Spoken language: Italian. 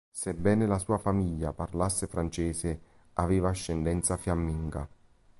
Sebbene la sua famiglia parlasse francese, aveva ascendenza fiamminga.